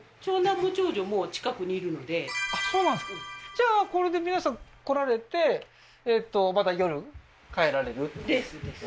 じゃあこれで皆さん来られてえっとまた夜帰られる？ですです